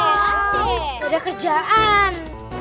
enggak ada kerjaan